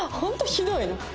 ひどいな。